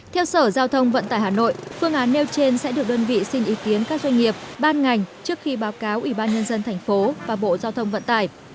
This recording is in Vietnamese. theo sở giao thông vận tải hà nội phương án nêu trên sẽ được đơn vị xin ý kiến các doanh nghiệp ban ngành trước khi báo cáo ủy ban nhân dân thành phố và bộ giao thông vận tải